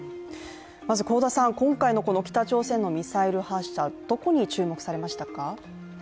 まず今回のこの北朝鮮のミサイル発射、どこに注目されましたか？